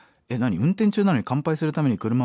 運転中なのに乾杯するために車を止めて待機。